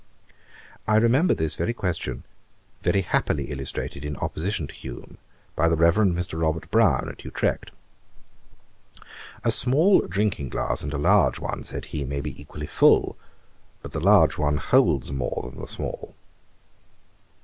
I remember this very question very happily illustrated in opposition to Hume, by the Reverend Mr. Robert Brown, at Utrecht. 'A small drinking glass and a large one, (said he,) may be equally full; but the large one holds more than the small.'